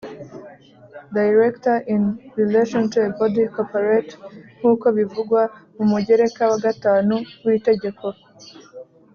Director in relation to a body corporate nk uko bivugwa mu mugereka wa gatanu w Itegeko